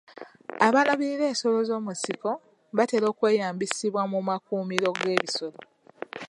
Abalabirira ensolo z'omu nsiko batera okweyambisibwa mu makuumiro g'ebisolo.